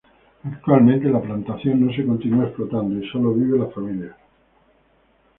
Actualmente la plantación no se continua explotando y sólo vive la familia.